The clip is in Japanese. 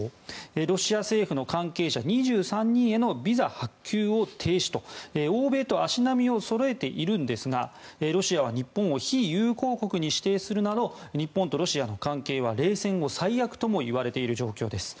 ロシア政府の関係者２３人へのビザ発給を停止と欧米と足並みをそろえているんですがロシアは日本を非友好国に指定するなど日本とロシアの関係は冷戦後最悪ともいわれている状況です。